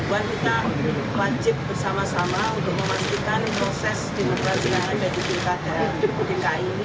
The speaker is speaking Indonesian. buat kita wajib bersama sama untuk memastikan proses diperjanjian dari tingkat tingkat ini